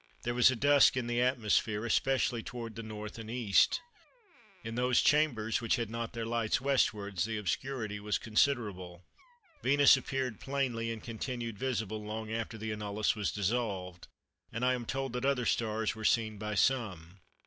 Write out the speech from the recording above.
There was a dusk in the atmosphere, especially towards the N. and E. In those chambers which had not their lights westwards the obscurity was considerable. Venus appeared plainly, and continued visible long after the annulus was dissolved, and I am told that other stars were seen by some."